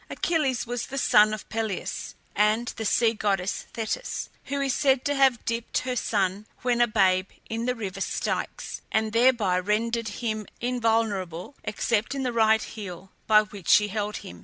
Achilles was the son of Peleus and the sea goddess Thetis, who is said to have dipped her son, when a babe, in the river Styx, and thereby rendered him invulnerable, except in the right heel, by which she held him.